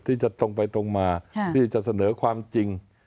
ที่จะตรงไปตรงมาที่จะเสนอความจริง